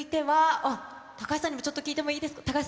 あっ、高橋さんにもちょっと聞いてもいいですか？